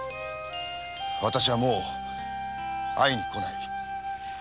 私はもう会いに来ない。